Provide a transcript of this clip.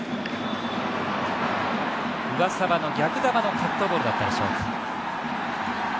上沢の逆球のカットボールだったでしょうか。